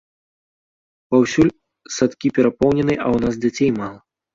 Паўсюль садкі перапоўненыя, а ў нас дзяцей мала.